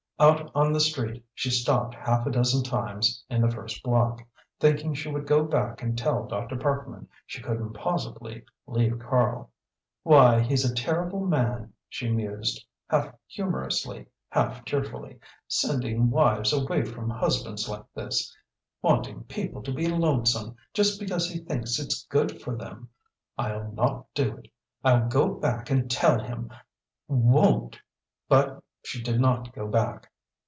Out on the street she stopped half a dozen times in the first block, thinking she would go back and tell Dr. Parkman she couldn't possibly leave Karl. "Why, he's a terrible man," she mused, half humorously, half tearfully, "sending wives away from husbands like this wanting people to be lonesome, just because he thinks it's good for them! I'll not do it I'll go back and tell him I won't!" But she did not go back.